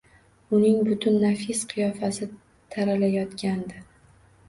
Uning butun nafis qiyofasi taralayotgandi.